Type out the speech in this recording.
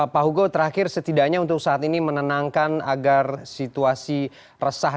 pak hugo terakhir setidaknya untuk saat ini menenangkan agar situasi resah